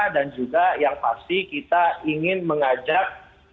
dan juga yang pasti kita ingin mengajak